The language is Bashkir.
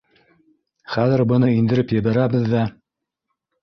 Хәҙер быны индереп ебәрәбеҙ ҙә